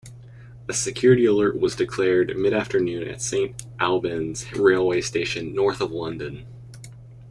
A security alert was declared, mid-afternoon, at Saint Albans railway station, north of London.